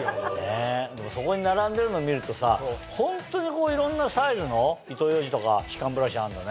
でもそこに並んでるの見るとさホントにいろんなサイズの糸ようじとか歯間ブラシあんだね。